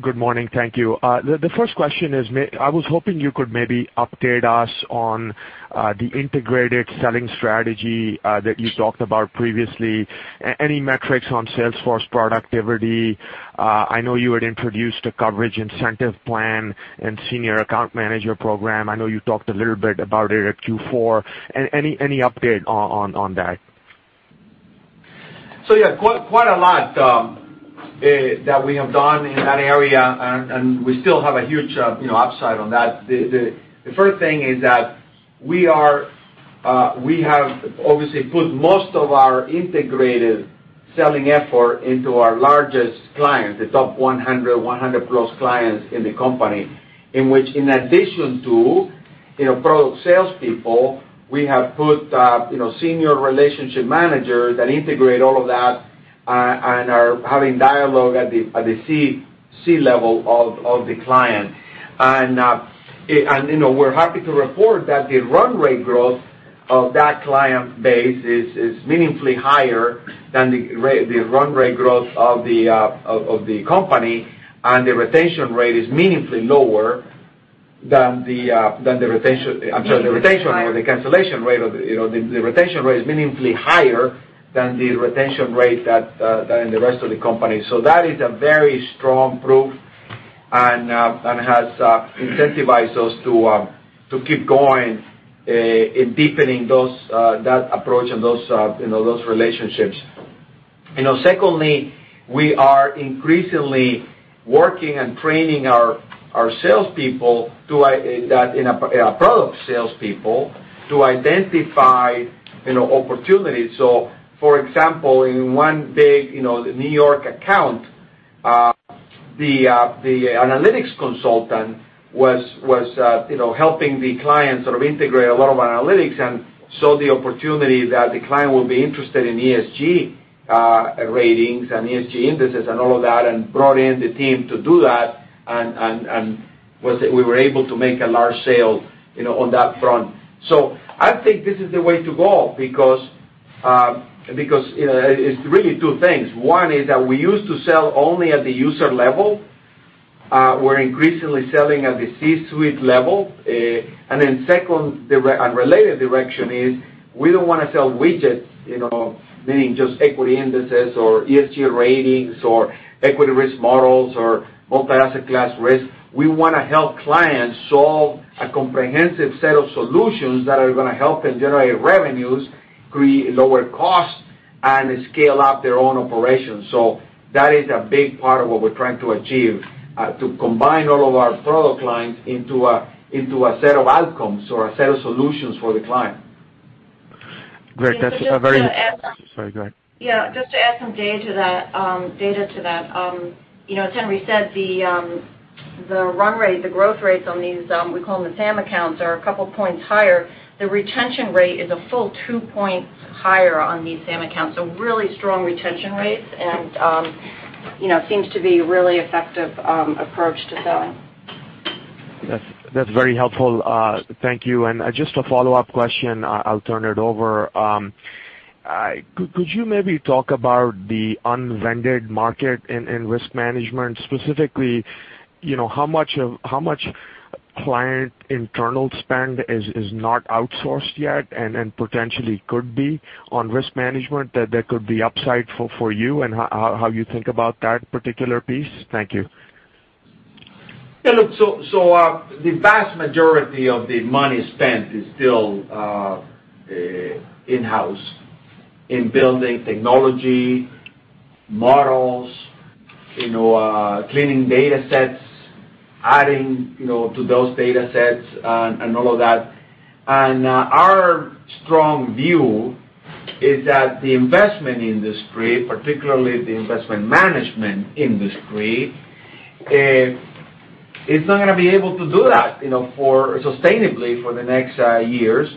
Good morning. Thank you. The first question is, I was hoping you could maybe update us on the integrated selling strategy that you talked about previously. Any metrics on sales force productivity? I know you had introduced a Coverage Incentive Plan and Senior Account Manager Program. I know you talked a little bit about it at Q4. Any update on that? Yeah, quite a lot that we have done in that area, and we still have a huge upside on that. The first thing is that we have obviously put most of our integrated selling effort into our largest clients, the top 100-plus clients in the company. In which, in addition to product salespeople, we have put senior relationship managers that integrate all of that and are having dialogue at the C-level of the client. We're happy to report that the run rate growth of that client base is meaningfully higher than the run rate growth of the company, and the retention rate is meaningfully lower than the retention or the cancellation rate. The retention rate is meaningfully higher than the retention rate in the rest of the company. That is a very strong proof and has incentivized us to keep going in deepening that approach and those relationships. Secondly, we are increasingly working and training our salespeople, our product salespeople, to identify opportunities. For example, in one big New York account, the analytics consultant was helping the client sort of integrate a lot of analytics and saw the opportunity that the client would be interested in ESG ratings and ESG indices and all of that, and brought in the team to do that, and we were able to make a large sale on that front. I think this is the way to go because it's really two things. One is that we used to sell only at the user level. We're increasingly selling at the C-suite level. Second, unrelated direction is we don't want to sell widgets, meaning just equity indices or ESG ratings or equity risk models or multi-asset class risk. We want to help clients solve a comprehensive set of solutions that are going to help them generate revenues, lower costs, and scale up their own operations. That is a big part of what we're trying to achieve, to combine all of our product lines into a set of outcomes or a set of solutions for the client. Great. That's a very- Could I also add- Sorry, go ahead. Yeah, just to add some data to that. As Henry said, the run rate, the growth rates on these, we call them the SAM accounts, are a couple points higher. The retention rate is a full two points higher on these SAM accounts, so really strong retention rates, and seems to be a really effective approach to selling. That's very helpful. Thank you. Just a follow-up question, I'll turn it over. Could you maybe talk about the unvended market in risk management? Specifically, how much client internal spend is not outsourced yet and potentially could be on risk management that there could be upside for you, and how you think about that particular piece? Thank you. The vast majority of the money spent is still in-house in building technology models, cleaning data sets, adding to those data sets, and all of that. Our strong view is that the investment industry, particularly the investment management industry, is not going to be able to do that sustainably for the next years.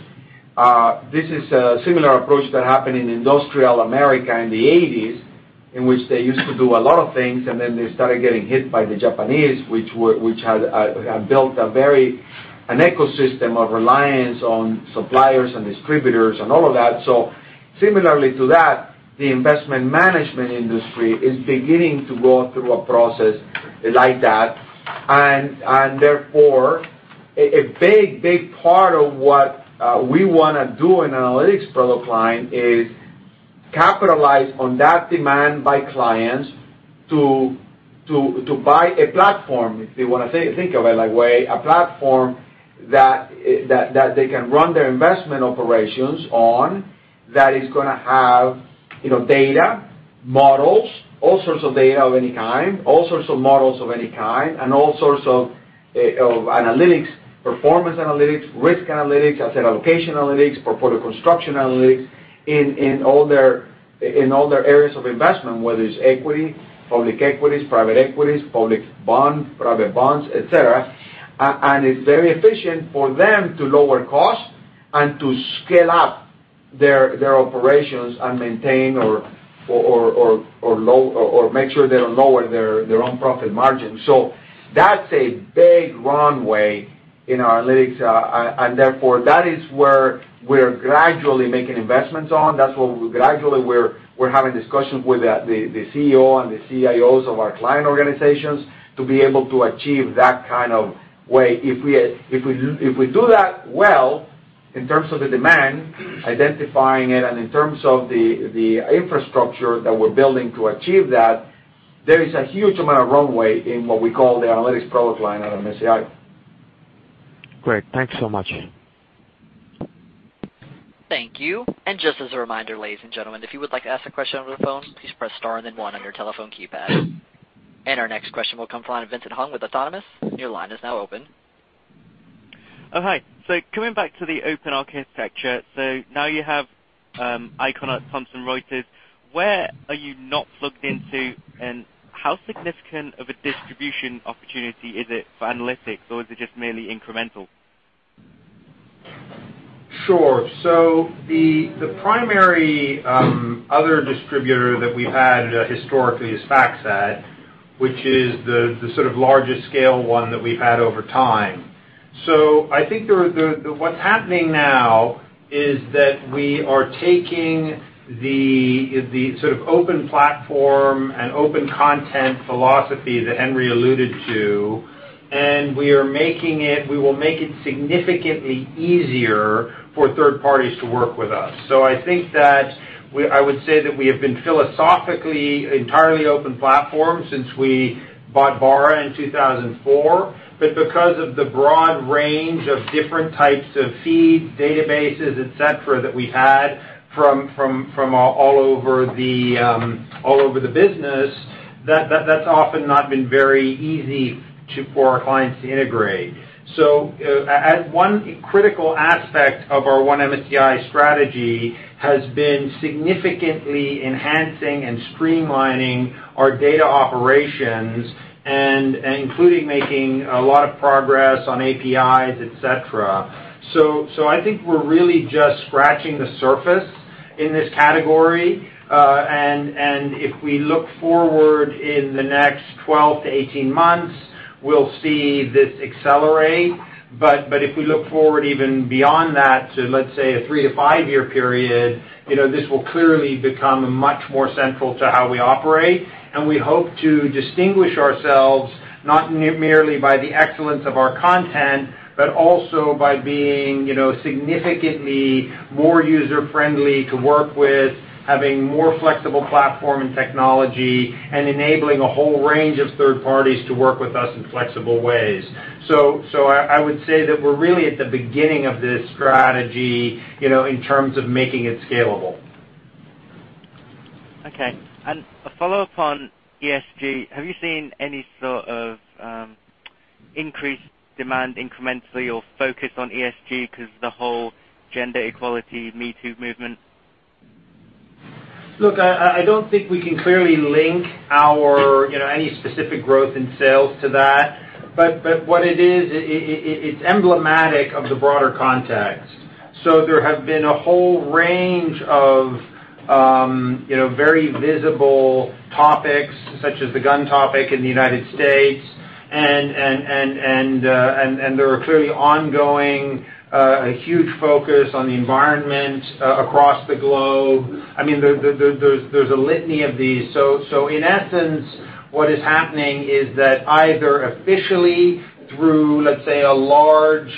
This is a similar approach that happened in industrial America in the '80s, in which they used to do a lot of things, and then they started getting hit by the Japanese, which had built an ecosystem of reliance on suppliers and distributors and all of that. Similarly to that, the investment management industry is beginning to go through a process like that. Therefore, a big part of what we want to do in analytics product line is capitalize on that demand by clients to buy a platform, if they want to think of it that way, a platform that they can run their investment operations on, that is going to have data, models, all sorts of data of any kind, all sorts of models of any kind, and all sorts of analytics, performance analytics, risk analytics, asset allocation analytics, portfolio construction analytics in all their areas of investment, whether it's equity, public equities, private equities, public bond, private bonds, et cetera. It's very efficient for them to lower cost and to scale up their operations and maintain or make sure they don't lower their own profit margin. That's a big runway in our analytics. Therefore, that is where we're gradually making investments on. That's where gradually we're having discussions with the CEO and the CIOs of our client organizations to be able to achieve that kind of way. If we do that well, in terms of the demand, identifying it, and in terms of the infrastructure that we're building to achieve that, there is a huge amount of runway in what we call the analytics product line at MSCI. Great. Thanks so much. Thank you. Just as a reminder, ladies and gentlemen, if you would like to ask a question over the phone, please press star and then one on your telephone keypad. Our next question will come from Vincent Hung with Autonomous Research. Your line is now open. Hi. Coming back to the open architecture. Now you have Eikon at Thomson Reuters. Where are you not plugged into, and how significant of a distribution opportunity is it for analytics, or is it just merely incremental? Sure. The primary other distributor that we've had historically is FactSet, which is the sort of largest scale one that we've had over time. I think what's happening now is that we are taking the sort of open platform and open content philosophy that Henry alluded to, we will make it significantly easier for third parties to work with us. I think that I would say that we have been philosophically entirely open platform since we bought Barra in 2004. Because of the broad range of different types of feeds, databases, et cetera, that we had from all over the business, that's often not been very easy for our clients to integrate. One critical aspect of our One MSCI strategy has been significantly enhancing and streamlining our data operations, including making a lot of progress on APIs, et cetera. I think we're really just scratching the surface in this category. If we look forward in the next 12 to 18 months, we'll see this accelerate. If we look forward even beyond that to, let's say, a three- to five-year period, this will clearly become much more central to how we operate, and we hope to distinguish ourselves not merely by the excellence of our content, but also by being significantly more user-friendly to work with, having more flexible platform and technology, and enabling a whole range of third parties to work with us in flexible ways. I would say that we're really at the beginning of this strategy in terms of making it scalable. Okay. A follow-up on ESG. Have you seen any sort of increased demand incrementally or focus on ESG because of the whole gender equality #MeToo movement? Look, I don't think we can clearly link any specific growth in sales to that, but what it is, it's emblematic of the broader context. There have been a whole range of very visible topics, such as the gun topic in the United States, and there are clearly ongoing, a huge focus on the environment across the globe. There's a litany of these. In essence, what is happening is that either officially through, let's say, a large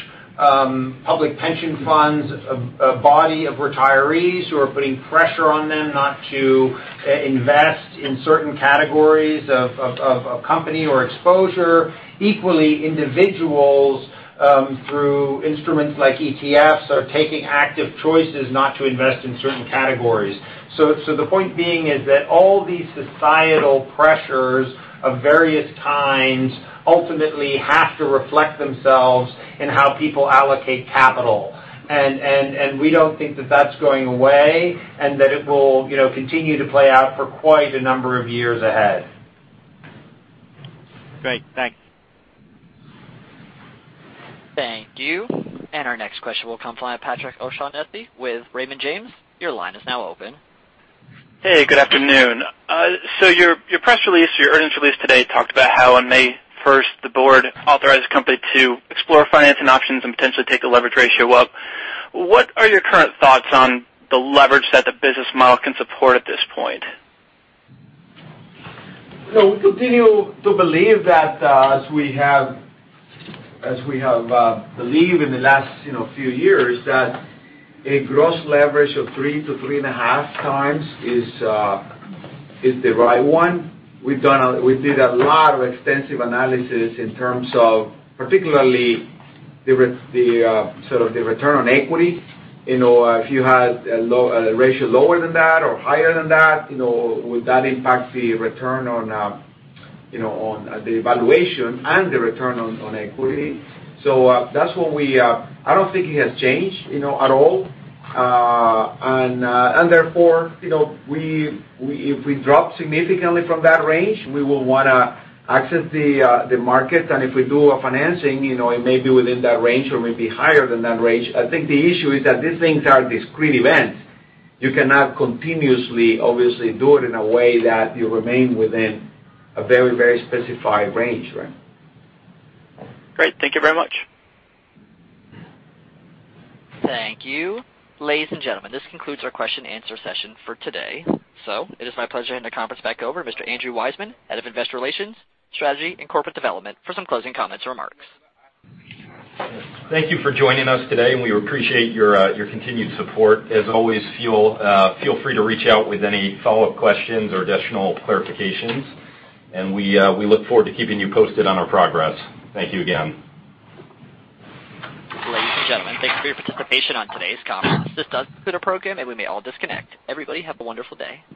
public pension fund, a body of retirees who are putting pressure on them not to invest in certain categories of company or exposure. Equally, individuals, through instruments like ETFs, are taking active choices not to invest in certain categories. The point being is that all these societal pressures of various kinds ultimately have to reflect themselves in how people allocate capital. We don't think that that's going away, and that it will continue to play out for quite a number of years ahead. Great. Thanks. Thank you. Our next question will come from Patrick O'Shaughnessy with Raymond James. Your line is now open. Hey, good afternoon. Your press release, your earnings release today talked about how on May 1st, the board authorized the company to explore financing options and potentially take the leverage ratio up. What are your current thoughts on the leverage that the business model can support at this point? We continue to believe that as we have believed in the last few years, that a gross leverage of 3 to 3.5 times is the right one. We did a lot of extensive analysis in terms of particularly the sort of the return on equity. If you had a ratio lower than that or higher than that, would that impact the return on the valuation and the return on equity? I don't think it has changed at all. Therefore, if we drop significantly from that range, we will want to access the market, and if we do a financing, it may be within that range or may be higher than that range. I think the issue is that these things are discrete events. You cannot continuously, obviously, do it in a way that you remain within a very specified range. Great. Thank you very much. Thank you. Ladies and gentlemen, this concludes our question and answer session for today. It is my pleasure to hand the conference back over to Mr. Andrew Wiechmann, Head of Investor Relations, Strategy, and Corporate Development for some closing comments and remarks. Thank you for joining us today. We appreciate your continued support. As always, feel free to reach out with any follow-up questions or additional clarifications. We look forward to keeping you posted on our progress. Thank you again. Ladies and gentlemen, thank you for your participation on today's conference. This does conclude our program. We may all disconnect. Everybody, have a wonderful day.